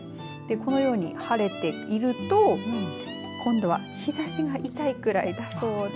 このように晴れていると今度は日ざしが痛いくらいだそうです。